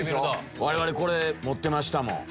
我々これ持ってましたもん。